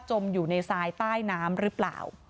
จมอยู่ในสายใต้น้ำรึเปล่า